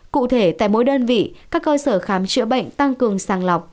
cụ thể tại mỗi đơn vị các cơ sở khám chữa bệnh tăng cường sàng lọc